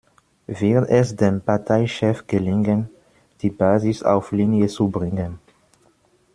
Wird es dem Parteichef gelingen, die Basis auf Linie zu bringen?